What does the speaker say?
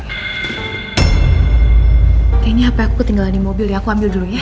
kayaknya apa aku ketinggalan di mobil ya aku ambil dulu ya